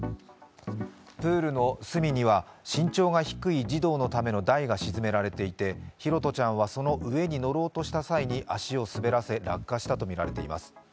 プールの隅には身長が低い児童のための台が沈められていて拓杜ちゃんはその上に乗ろうとした際に足を滑らせて落下したとみられています。